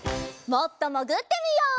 もっともぐってみよう！